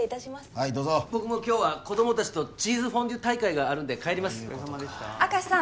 はいどうぞ僕も今日は子供達とチーズフォンデュ大会があるんで帰ります明石さん